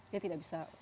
dia tidak bisa membunuh